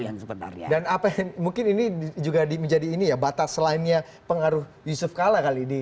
yang sebenarnya dan apa yang mungkin ini juga di menjadi ini ya batas lainnya pengaruh yusuf kala kali di